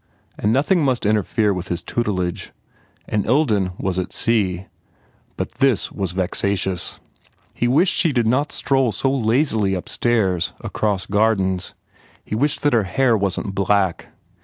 And nothing must interfere with his tutelage. And Ilden was at sea. But this was vexatious ! He wished she did not stroll so lazily up stairs, across gardens. He wished that her hair wasn t black.